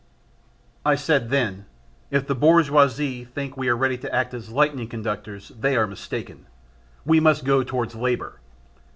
I said then, "If the bourgeoisie think we are ready to act as lightning conductors, they are mistaken. We must go towards labour.